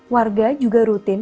warga juga rutin